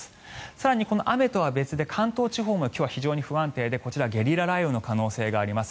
更に、この雨とは別に関東地方も今日は非常に不安定でこちら、ゲリラ雷雨の恐れがあります。